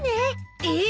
えっ！？